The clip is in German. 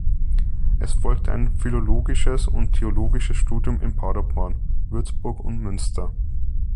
Es folgte ein philologisches und theologisches Studium in Paderborn, Würzburg und Münster.